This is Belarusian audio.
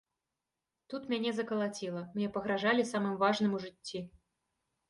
Тут мяне закалаціла, мне пагражалі самым важным у жыцці.